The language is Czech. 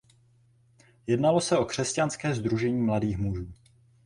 Jednalo se o křesťanské sdružení mladých mužů.